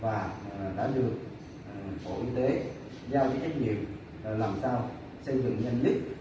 và đã được bộ y tế giao với trách nhiệm làm sao xây dựng nhanh nhất